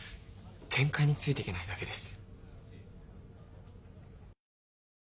展開についてけないだけです。